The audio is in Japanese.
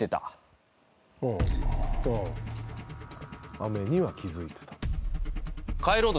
雨には気付いてた。